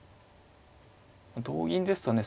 同銀ですとね